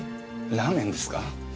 ラーメンですか？